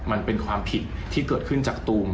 มันเป็นความผิดที่เกิดขึ้นจากตูม